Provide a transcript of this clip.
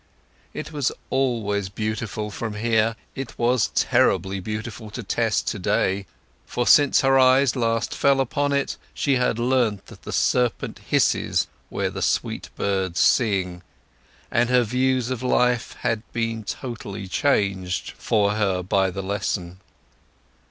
It was always beautiful from here; it was terribly beautiful to Tess to day, for since her eyes last fell upon it she had learnt that the serpent hisses where the sweet birds sing, and her views of life had been totally changed for her by the lesson.